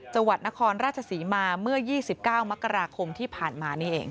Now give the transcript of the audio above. จังหวัดนครราชศรีมาเมื่อ๒๙มกราคมที่ผ่านมานี่เอง